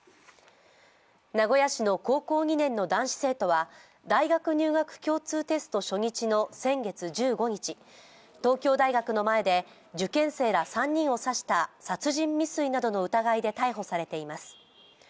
名古屋市の高校２年の男子生徒は大学入学共通テスト初日の先月１５日、東京大学の前で受験生ら３人を刺しした殺人未遂などの疑いで逮捕されています。